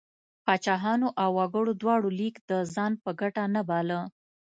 پاچاهانو او وګړو دواړو لیک د ځان په ګټه نه باله.